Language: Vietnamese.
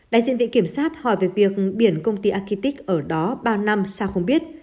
đại diện viện kiểm soát hỏi về việc biển công ty arkitic ở đó bao năm sao không biết